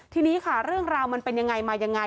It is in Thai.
ทีนี้ค่ะเรื่องราวมันเป็นยังไงมายังไง